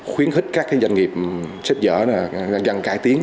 khuyến khích các doanh nghiệp xếp dở gần cải tiến